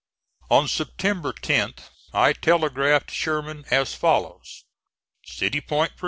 On September 10th I telegraphed Sherman as follows: CITY POINT, VA.